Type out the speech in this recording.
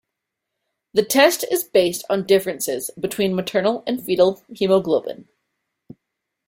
The test is based on differences between maternal and fetal hemoglobin.